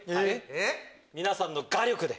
皆さんの画力で。